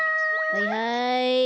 はいはい。